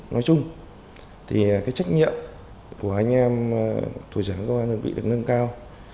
nói chung thì trách nhiệm của anh em thủ trưởng cơ quan hành chính được nâng cao